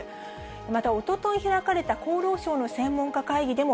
また、おととい開かれた厚労省の専門家会議でも、